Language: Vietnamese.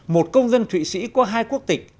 một công dân thụy sĩ có hai quốc tịch